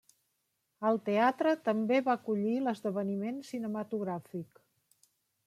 El teatre també va acollir l'esdeveniment cinematogràfic.